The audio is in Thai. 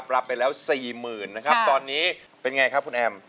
รับไปแล้ว๔๐๐๐นะครับตอนนี้เป็นไงครับคุณแอม